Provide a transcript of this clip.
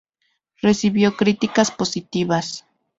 Recibió críticas positivas.